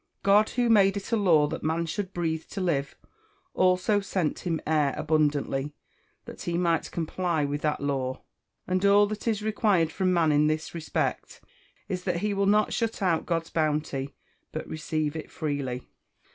God, who made it a law that man should breathe to live, also sent him air abundantly, that he might comply with that law. And all that is required from man in this respect is, that he will not shut out God's bounty, but receive it freely.